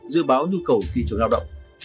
dự báo nhu cầu thị trường lao động